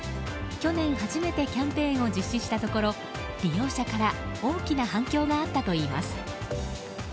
去年初めてキャンペーンを実施したところ利用者から大きな反響があったといいます。